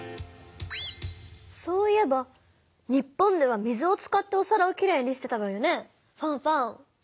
そういえば日本では水を使っておさらをきれいにしてたわよねファンファン。